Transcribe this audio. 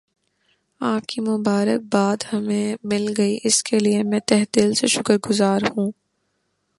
آپ کی مبارک باد ہمیں مل گئی اس کے لئے میں تہہ دل سے شکر گزار ہوں